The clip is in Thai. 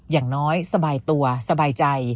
อย่างน้อยสบายตัวสบายใจ